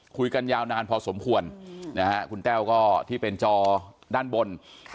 คุยกันยาวนานพอสมควรนะฮะคุณแต้วก็ที่เป็นจอด้านบน